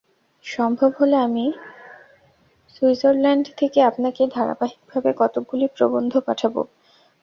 সম্ভব হলে আমি সুইজরলণ্ড থেকে আপনাকে ধারাবাহিকভাবে কতকগুলি প্রবন্ধ পাঠাব।